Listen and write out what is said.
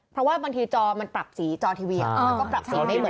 เพราะว่าบางทีจอมันปรับสีจอทีวีมันก็ปรับสีไม่เหมือน